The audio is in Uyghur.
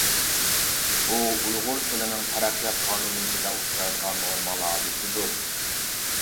بۇ ئۇيغۇر تىلىنىڭ تەرەققىيات قانۇنىيىتىدە ئۇچرايدىغان نورمال ھادىسىدۇر.